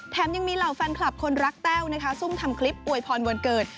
ยังมีเหล่าแฟนคลับคนรักแต้วนะคะซุ่มทำคลิปอวยพรวันเกิด